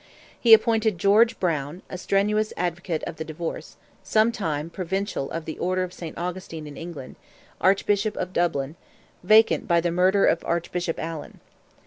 He appointed George Browne, a strenuous advocate of the divorce, some time Provincial of the order of St. Augustine in England, Archbishop of Dublin, vacant by the murder of Archbishop Allan.